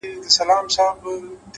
صادق انسان کم تشریح ته اړتیا لري،